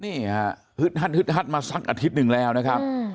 นี่ฮะฮึดฮัดฮึดฮัดมาสักอาทิตย์หนึ่งแล้วนะครับ